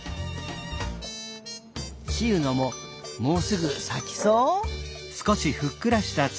しうのももうすぐさきそう？